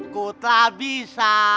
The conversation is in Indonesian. ku tak bisa